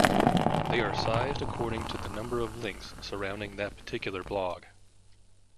They are sized according to the number of links surrounding that particular blog.